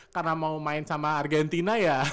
karena mau main sama argentina ya